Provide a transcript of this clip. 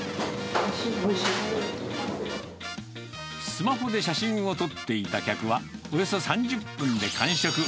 スマホで写真を撮っていた客は、およそ３０分で完食。